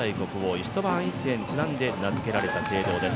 イシュトヴァーン一世にちなんで名付けられた聖堂です。